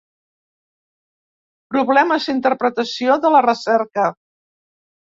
Problemes d'interpretació de la recerca.